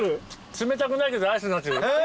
冷たくないけどアイスになって。